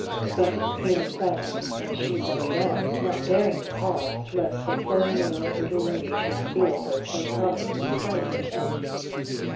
But he was silent, and she blundered on, not daring to pause lest the firm willed little lady should seal her to a promise in spite of herself.